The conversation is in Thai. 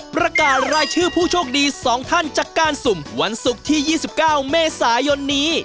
ประกาศรายชื่อผู้โชคดี๒ท่านจากการสุ่มวันศุกร์ที่๒๙เมษายนนี้